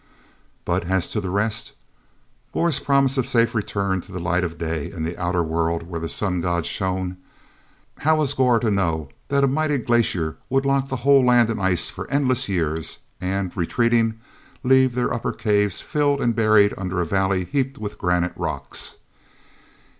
But, as to the rest—Gor's promise of safe return to the light of day and that outer world where the Sun god shone—how was Gor to know that a mighty glacier would lock the whole land in ice for endless years, and, retreating, leave their upper caves filled and buried under a valley heaped with granite rocks?